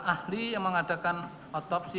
ahli yang mengadakan otopsi